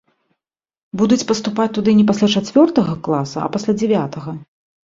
Будуць паступаць туды не пасля чацвёртага класа, а пасля дзявятага.